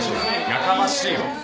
やかましいわ。